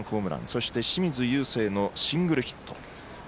そして、清水友惺のシングルヒット。